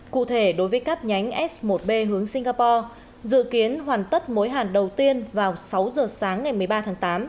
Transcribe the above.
cụ thể đối với các nhánh s một b hướng singapore dự kiến hoàn tất mối hàn đầu tiên vào sáu giờ sáng ngày một mươi ba tháng tám